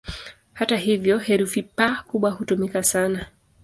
Hata hivyo, herufi "P" kubwa hutumika sana.